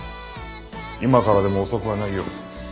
今からでも遅くはないよ。